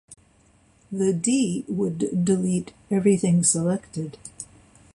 The "d" would delete everything selected.